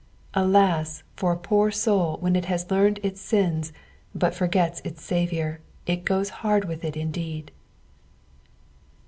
Alas I for a poor soul when it has learned its sin but ^rgets its Saviour, it goes hard with it indeed.